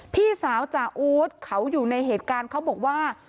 พี่สาวจ่าอู๊ดเขาอยู่ในเหตุการณ์เขาบอกว่า